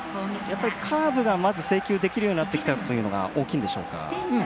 カーブが制球できるようになってきたのが大きいんでしょうか。